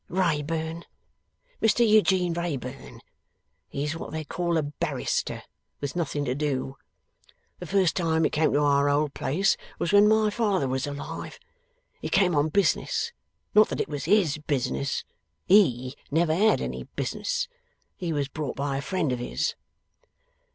'Wrayburn. Mr Eugene Wrayburn. He is what they call a barrister, with nothing to do. The first time he came to our old place was when my father was alive. He came on business; not that it was HIS business HE never had any business he was brought by a friend of his.